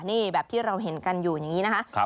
นี่แบบที่เราเห็นกันอยู่อย่างนี้นะคะ